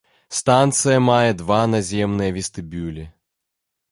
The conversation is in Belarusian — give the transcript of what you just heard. Станцыя мае два наземныя вестыбюлі.